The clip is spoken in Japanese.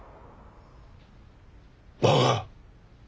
バカ！